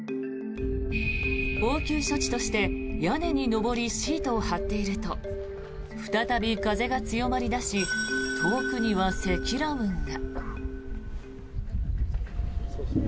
応急処置として屋根に上りシートを張っていると再び風が強まり出し遠くには積乱雲が。